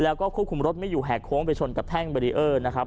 แล้วก็ควบคุมรถไม่อยู่แหกโค้งไปชนกับแท่งเบรีเออร์นะครับ